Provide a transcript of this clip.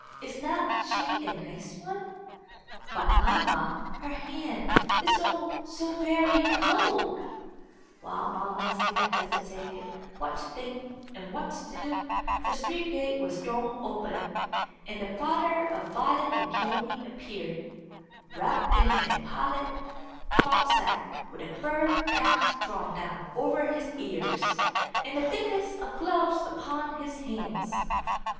Is not she a nice one? But, mamma, her hand, is oh, so very cold!" While mamma still hesitated what to think and what to do, the street gate was thrown open, and the father of Violet and Peony appeared, wrapped in a pilot cloth sack, with a fur cap drawn down over his ears, and the thickest of gloves upon his hands.